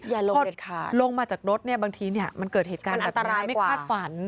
อย่าลงเด็ดขาดนี่ลงมาจากรถบางทีมันเกิดเหตุการณ์แบบนี้